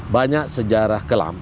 banyak sejarah kelam